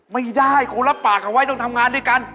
ไม่ได้คงรับปากเอาไว้ต้องทำงานด้วยกัน